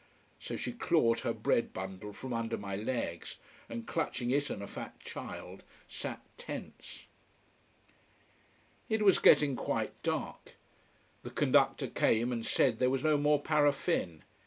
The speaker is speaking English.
So she clawed her bread bundle from under my legs, and, clutching it and a fat child, sat tense. It was getting quite dark. The conductor came and said that there was no more paraffin.